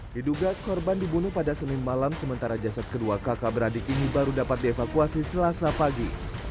diduga korban dibunuh pada senin malam sementara jasad kedua kakak beradik ini baru dapat dievakuasi selasa pagi